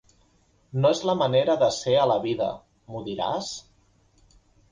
No és la manera de ser a la vida, m'ho diràs?